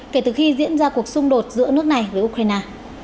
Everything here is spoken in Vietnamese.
kể từ khi diễn ra cuộc xung đột giữa nước này với ukraine